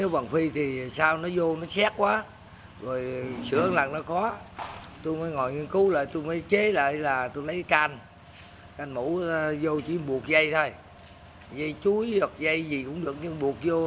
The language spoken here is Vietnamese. với việc thiết kế độc đáo